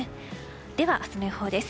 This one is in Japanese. では明日の予報です。